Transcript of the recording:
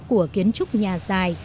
của kiến trúc nhà dài